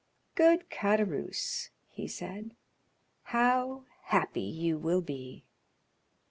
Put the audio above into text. "Good Caderousse," he said, "how happy you will be."